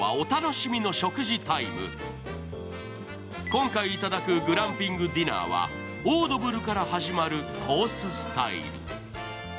今回いただくグランピングディナーは、オードブルから始まるコーススタイル。